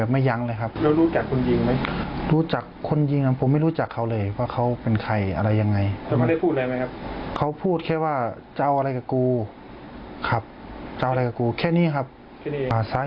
มีใจผิดหรืออะไรสักอย่าง